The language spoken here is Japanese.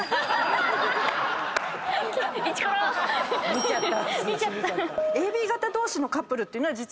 見ちゃった。